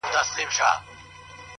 • خوار چي موړ سي مځکي ته نه ګوري ,